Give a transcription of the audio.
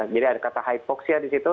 jadi ada kata hypoxia di situ